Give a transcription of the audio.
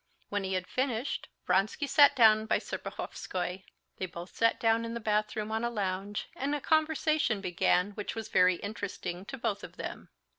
When he had finished, Vronsky sat down by Serpuhovskoy. They both sat down in the bathroom on a lounge, and a conversation began which was very interesting to both of them.